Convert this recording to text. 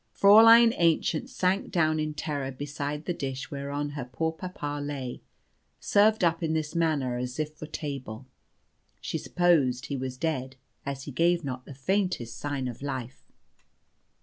Fräulein Aennchen sank down in terror beside the dish whereon her poor papa lay, served up in this manner as if for table. She supposed he was dead, as he gave not the faintest sign of life.